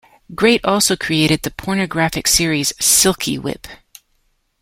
great also created the pornographic series "Silky Whip".